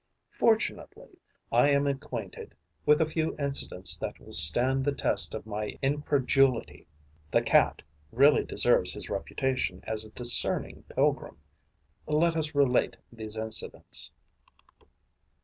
Fortunately, I am acquainted with a few incidents that will stand the test of my incredulity. The Cat really deserves his reputation as a discerning pilgrim. Let us relate these incidents.